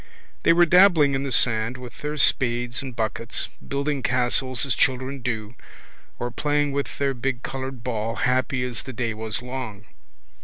They were dabbling in the sand with their spades and buckets, building castles as children do, or playing with their big coloured ball, happy as the day was long.